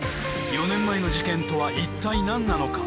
４年前の事件とは一体何なのか？